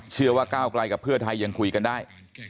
เชื่อว่าก้าวไกลกับเพื่อไทยยังคุยกันได้